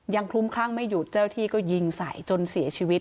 คลุ้มคลั่งไม่หยุดเจ้าที่ก็ยิงใส่จนเสียชีวิต